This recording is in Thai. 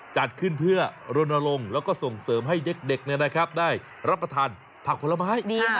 จัดขึ้นเพื่อรณรงค์แล้วก็ส่งเสริมให้เด็กได้รับประทานผักผลไม้